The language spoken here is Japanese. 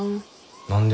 何で？